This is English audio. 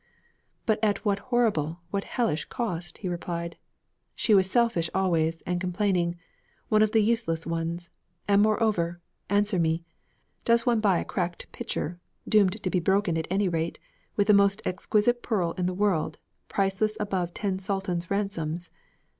'But at what horrible, what hellish cost!' he replied. 'She was selfish always, and complaining; one of the useless ones; and moreover, answer me, does one buy a cracked pitcher, doomed to be broken at any rate, with the most exquisite pearl in the world, priceless above ten sultans' ransoms?